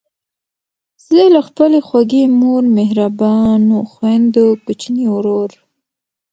زه له خپلې خوږې مور، مهربانو خویندو، کوچني ورور،